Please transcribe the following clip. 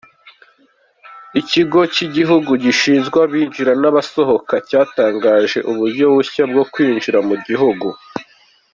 Ikigo cy’Igihugu gishinzwe Abinjira n’Abasohoka, cyatangaje uburyo bushya bwo kwinjira mu gihugu.